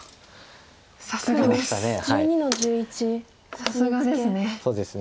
さすがですね。